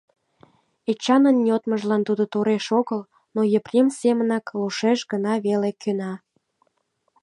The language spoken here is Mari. Эчанын йодмыжлан тудо тореш огыл, но Епрем семынак лошеш гын веле кӧна.